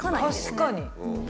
確かに！